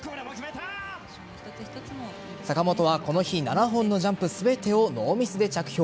坂本はこの日７本のジャンプ全てをノーミスで着氷。